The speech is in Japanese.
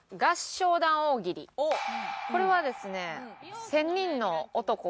これはですね。